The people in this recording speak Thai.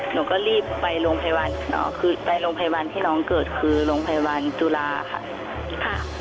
หนูก็รีบไปโรงพยาบาลคือไปโรงพยาบาลที่น้องเกิดคือโรงพยาบาลจุฬาค่ะ